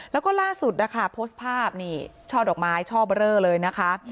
แล้วก็ล่าสุดนะคะโพสต์ภาพนี่ช่อดอกไม้ช่อเบอร์เรอเลยนะคะ